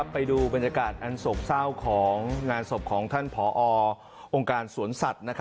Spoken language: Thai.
ไปดูบรรยากาศอันโศกเศร้าของงานศพของท่านผอองค์การสวนสัตว์